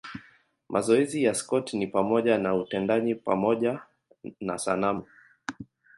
Mazoezi ya Scott ni pamoja na utendaji pamoja na sanamu.